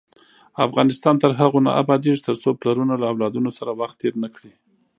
افغانستان تر هغو نه ابادیږي، ترڅو پلرونه له اولادونو سره وخت تیر نکړي.